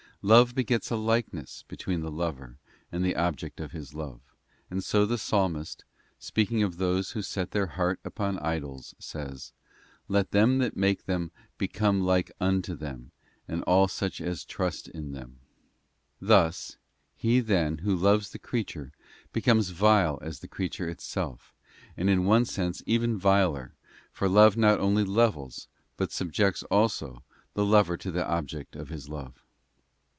Love begets a likeness between the lover and the object of his love, and so the Psalmist, speaking of those who set their heart upon idols, says, 'Let them that make them become like unto them, and all such as trust in them.'{. Thus, he then who loves the creature becomes vile as that creature itself, and in one sense even viler, for love not only levels, but subjects also the lover to the object of his love.